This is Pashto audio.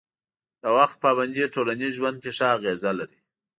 د وخت پابندي ټولنیز ژوند کې ښه اغېز لري.